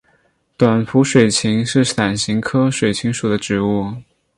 短辐水芹是伞形科水芹属的植物。